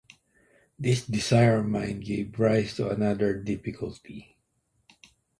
This desire of mine gave rise to another difficulty.